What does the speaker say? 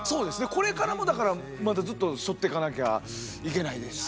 これからもだからまだずっと背負っていかなきゃいけないですし。